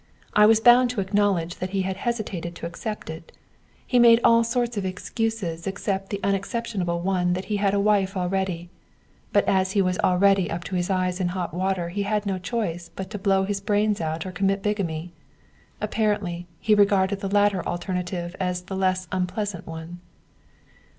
I was bound to acknowledge that he had hesitated to accept it. He made all sorts of excuses except the unexceptionable one that he had a wife already. But as he was already up to his eyes in hot water he had had no choice but to blow his brains out or commit bigamy. Apparently he had regarded the latter alternative as the less unpleasant one.